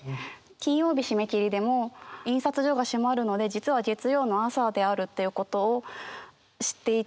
金曜日締め切りでも印刷所が閉まるので実は月曜の朝であるということを知っていたりとか。